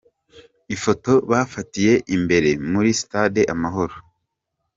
Ifoto bafatiye imbere muri Stade Amahoro.